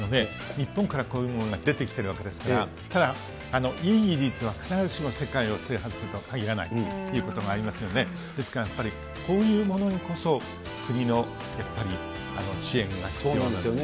日本からこういうものが出てきてるわけですから、ただ、いい技術というのは必ずしも世界を制覇するとはかぎらないということがありますので、ですからやっぱり、こういうものにこそ、国のやっぱり支援が必要なんですよね。